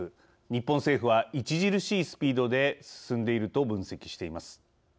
日本政府は著しいスピードで進んでいると分析しています。